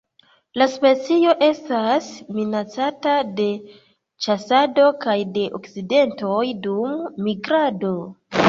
La specio estas minacata de ĉasado kaj de akcidentoj dum migrado.